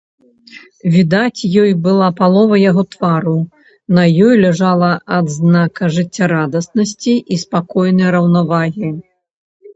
Відаць ёй была палова яго твару, на ёй ляжала адзнака жыццярадаснасці і спакойнай раўнавагі.